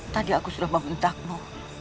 tadi aku sudah membentakmu